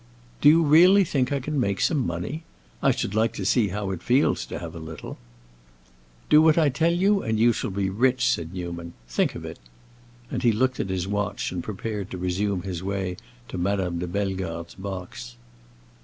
"Do you really think I can make some money? I should like to see how it feels to have a little." "Do what I tell you, and you shall be rich," said Newman. "Think of it." And he looked at his watch and prepared to resume his way to Madame de Bellegarde's box.